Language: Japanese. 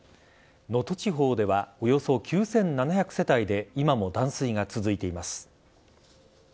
能登地方ではおよそ９７００世帯で今も断水が続いています。